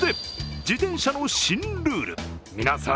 自転車の新ルールみなさん